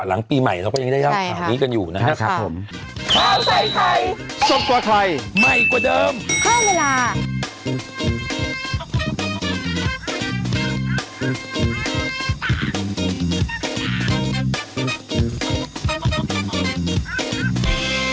หลังปีใหม่เราก็ยังได้ยาวข่าวนี้กันอยู่นะครับ